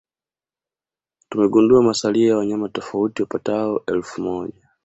Tumegundua masalia ya wanyama tofauti wapatao elfu moja